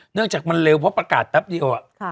เนื่องจากมันเร็วเพราะประกาศแป๊บเดียว